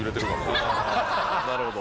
なるほど。